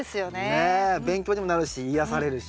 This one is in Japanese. ねえ勉強にもなるし癒やされるし。